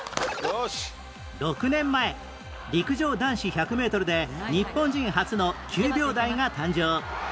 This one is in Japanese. ６年前陸上男子１００メートルで日本人初の９秒台が誕生